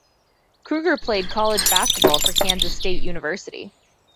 Kruger played college basketball for Kansas State University.